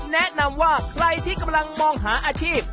แนะนำว่าใครที่กำลังมองหาอาชีพ